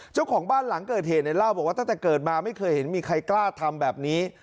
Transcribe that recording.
เจ้าของบ้านหลังเกิดเหตุเนี่ยเล่าบอกว่าตั้งแต่เกิดมาไม่เคยเห็นมีใครกล้าทำแบบนี้